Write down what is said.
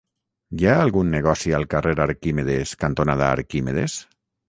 Hi ha algun negoci al carrer Arquímedes cantonada Arquímedes?